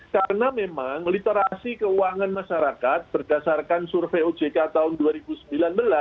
karena memang literasi keuangan masyarakat berdasarkan survei ojk tahun dua ribu sembilan belas